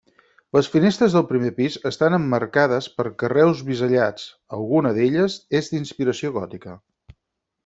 Les finestres del primer pis estan emmarcades per carreus bisellats, alguna d'elles és d'inspiració gòtica.